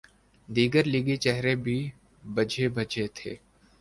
دیگر لیگی چہرے بھی بجھے بجھے تھے۔